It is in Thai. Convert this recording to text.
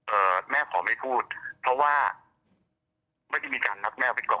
เอ่อแม่ขอไม่พูดเพราะว่าไม่ได้มีการนัดแม่ไว้ก่อน